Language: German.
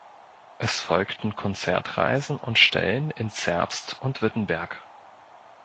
Es folgten Konzertreisen und Stellen in Zerbst und Wittenberg.